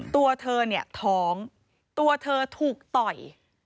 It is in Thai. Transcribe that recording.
ตัวเธอท้องตัวเธอถูกต่อย